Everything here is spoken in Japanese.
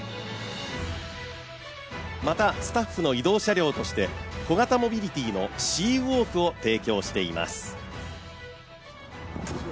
また、スタッフの移動車両として小型モビリティーのＣ＋ｗａｌｋを提供しています。